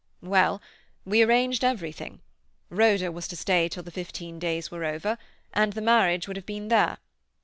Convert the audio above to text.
"Well, we arranged everything. Rhoda was to stay till the fifteen days were over, and the marriage would have been there.